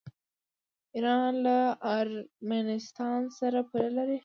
ایران له ارمنستان سره پوله لري.